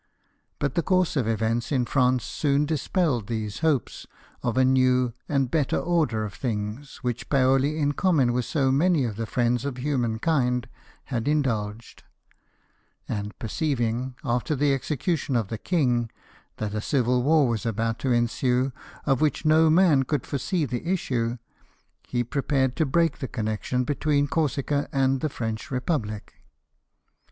But the course of events in France soon dispelled these hopes of a new and better order of things, which Paoli, in common with so many of the friends of humankind, had indulged; and perceiving, after the execution of the king, that a civil war was about to ensue, of which no man could foresee the issue, he prepared to break the connection between Corsica and the French republic.